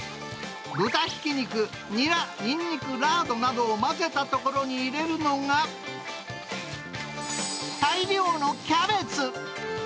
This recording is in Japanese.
豚ひき肉、ニラ、ニンニク、ラードなどを混ぜたところに入れるのが、大量のキャベツ。